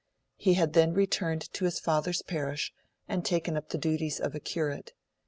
He had then returned to his father's parish and taken up the duties of a curate.